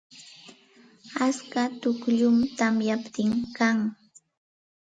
Atska tukllum tamyaptin kan.